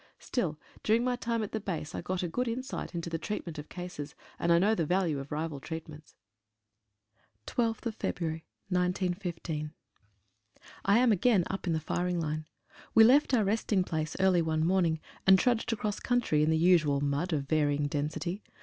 Still, dur ing my time at the base, I got a good insight into the treatment of cases, and I know the value of rival treat ments. <8> B <8> 12/2/15. am again up in the firing line. We left our resting place early one morning, and trudged across country in the usual mud of varying density.